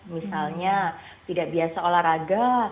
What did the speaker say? misalnya tidak biasa olahraga